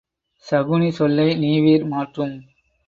சகுனி சொல்லை நீவிர் மாற்றும்.